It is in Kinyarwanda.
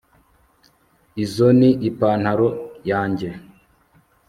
izo ni ipantaro yanjye